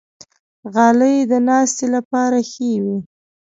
غلۍ د ناستې لپاره ښه وي.